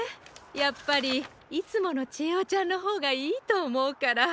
やっぱりいつものちえおちゃんのほうがいいとおもうから。